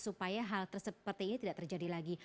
supaya hal seperti ini tidak terjadi lagi